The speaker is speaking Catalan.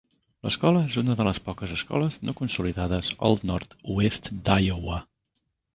L'escola és una de les poques escoles no consolidades al nord-oest d'Iowa.